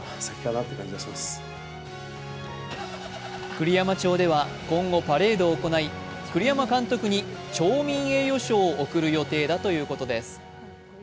栗山町では今後パレードを行い栗山監督に町民栄誉賞を贈る予定だということです。